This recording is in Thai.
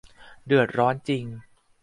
เดือดร้อนจริง